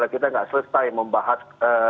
kita gak selesai membahas